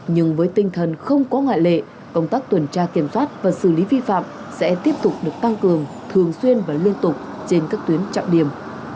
nhưng với tinh thần không có ngoại lệ công tác tuần tra kiểm soát và xử lý vi phạm sẽ tiếp tục được tăng cường thường xuyên và liên tục trên các tuyến trọng điểm